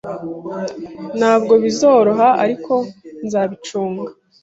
Ntabwo bizoroha, ariko nzabicunga.